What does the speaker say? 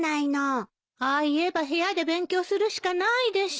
ああ言えば部屋で勉強するしかないでしょ。